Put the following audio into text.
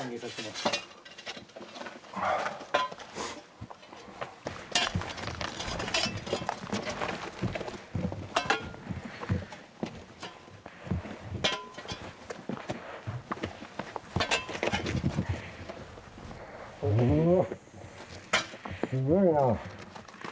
すごいな。